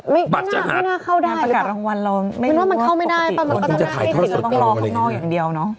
ไม่น่าเข้าได้มันเข้าไม่ได้ต้องรอข้างนอกอย่างเดียวเนอะ